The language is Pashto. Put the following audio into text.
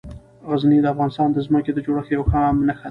غزني د افغانستان د ځمکې د جوړښت یوه ښه نښه ده.